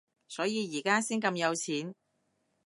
所以而家先咁有錢？